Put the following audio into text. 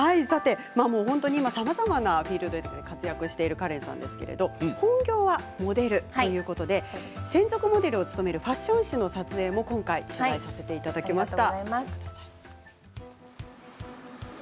今さまざまなフィールドで活躍しているカレンさんですけれども本業はモデルということで専属モデルを務めるファッション誌の撮影も今回取材させていただきました。